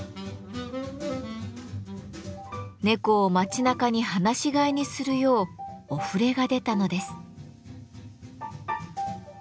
猫を町なかに放し飼いにするようおふれが出たのです。